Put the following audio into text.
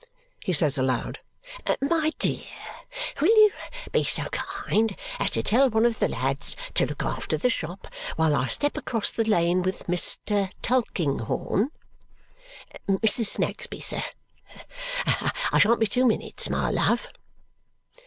he says aloud. "My dear, will you be so kind as to tell one of the lads to look after the shop while I step across the lane with Mr. Tulkinghorn? Mrs. Snagsby, sir I shan't be two minutes, my love!"